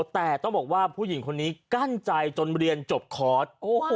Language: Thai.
แต่ต้องบอกว่าผู้หญิงคนนี้กั้นใจจนเรียนจบคอร์ส